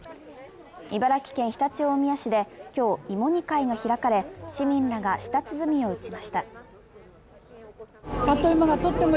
茨城県常陸大宮市で今日、芋煮会が開かれ、市民らが舌鼓を打ちました。